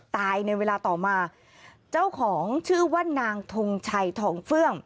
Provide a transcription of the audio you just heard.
ในเวลาต่อมาเจ้าของชื่อว่านางทงชัยทองเฟื่อง